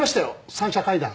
３者会談